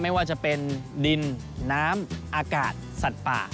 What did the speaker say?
ไม่ว่าจะเป็นดินน้ำอากาศสัตว์ป่า